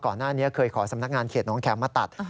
ก่อนหน้านี้เคยขอสำนักงานเขตน้องแคมมาตัด